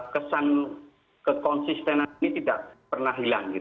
kesan kekonsistenan ini tidak pernah hilang